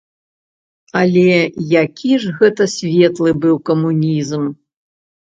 Але які ж гэта светлы быў камунізм!